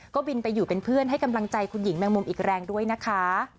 ก็บินไปอยู่เป็นเพื่อนให้กำลังใจคุณหญิงแมงมุมอีกแรงด้วยนะคะ